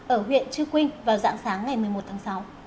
ở huyện chư quynh vào dạng sáng ngày một mươi một tháng sáu